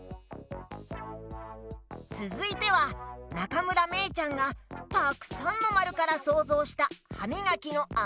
つづいてはなかむらめいちゃんが「たくさんのまる」からそうぞうしたはみがきのあわです！